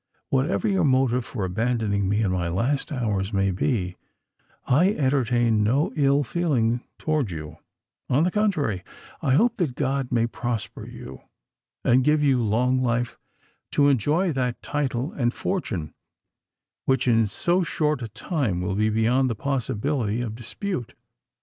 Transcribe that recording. Whatever your motive for abandoning me in my last hours may be, I entertain no ill feeling towards you: on the contrary, I hope that God may prosper you, and give you long life to enjoy that title and fortune which in so short a time will be beyond the possibility of dispute.